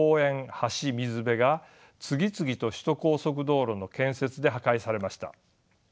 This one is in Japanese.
橋水辺が次々と首都高速道路の建設で破壊されました。